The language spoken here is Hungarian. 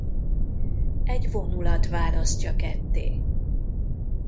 Egy vonulat választja ketté.